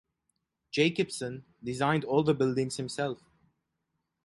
Jacobsen designed all the buildings himself.